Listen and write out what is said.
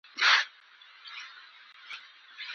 د قدردانۍ لپاره سر وښورئ او ویونکي ته وګورئ.